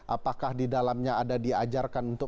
apakah di dalamnya ada diajarkan untuk